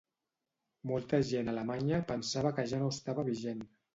Molta gent alemanya pensava que ja no estava vigent.